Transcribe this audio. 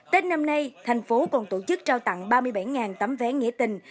tết năm nay thành phố còn tổ chức trao tặng ba mươi bảy tấm vé nghĩa tình